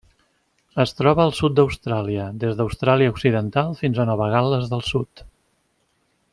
Es troba al sud d'Austràlia: des d'Austràlia Occidental fins a Nova Gal·les del Sud.